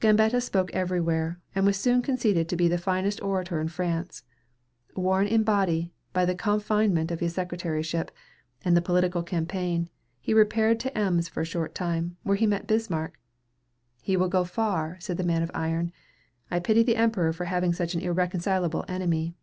Gambetta spoke everywhere, and was soon conceded to be the finest orator in France. Worn in body, by the confinement of the secretaryship, and the political campaign, he repaired to Ems for a short time, where he met Bismarck. "He will go far," said the Man of Iron. "I pity the Emperor for having such an irreconcilable enemy."